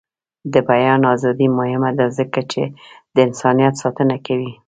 د بیان ازادي مهمه ده ځکه چې د انسانیت ساتنه کوي.